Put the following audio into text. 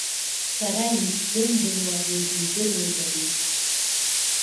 Сара исзымдыруа иага идыруеит ари.